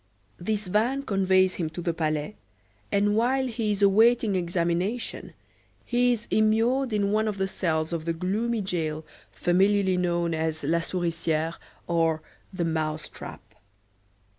This van conveys him to the Palais, and while he is awaiting examination, he is immured in one of the cells of the gloomy jail, familiarly known as "la Souriciere" or the "mouse trap."